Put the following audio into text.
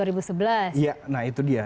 iya nah itu dia